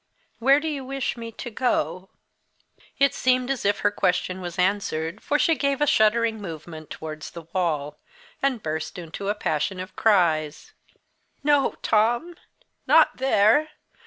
Where do you wish me to go?" It seemed as if her question was answered, for she gave a shuddering movement towards the wall, and burst into a passion of cries. "No, Tom not there!